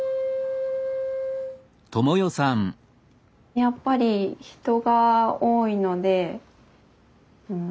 やっぱり人が多いのでうん